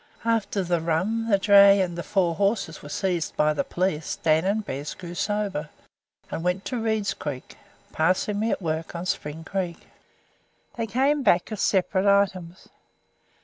After the rum, the dray, and the four horses were seized by the police. Dan and Bez grew sober, and went to Reid's Creek, passing me at work on Spring Creek. They came back as separate items.